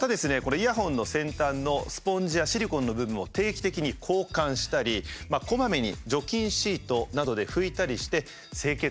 イヤホンの先端のスポンジやシリコンの部分を定期的に交換したりこまめに除菌シートなどで拭いたりして清潔さを保ってくださいと。